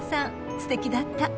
すてきだった。